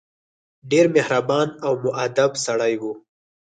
ډېر مهربان او موءدب سړی وو.